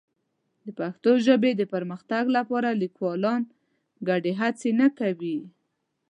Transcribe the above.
د پښتو ژبې د پرمختګ لپاره لیکوالان ګډې هڅې نه کوي.